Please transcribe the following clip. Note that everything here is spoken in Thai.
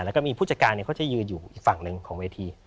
แล้วก็มีผู้จัดการเขาจะยืนอยู่อีกฝั่งหนึ่งของเวที